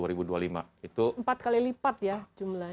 itu empat kali lipat ya jumlahnya